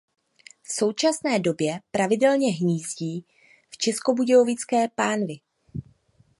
V současné době pravidelně hnízdí v Českobudějovické pánvi.